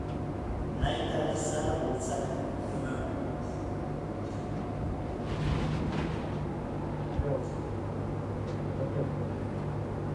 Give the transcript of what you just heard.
Nahita ari zara bultzaka, jauna.